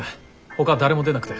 ほか誰も出なくて。